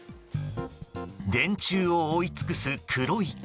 電柱を覆い尽くす黒い影。